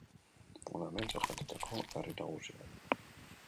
Hona hemen zeharkatutako herri nagusiak.